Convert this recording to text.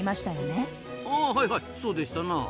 あはいはいそうでしたな。